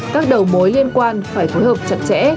các đầu mối liên quan phải phối hợp chặt chẽ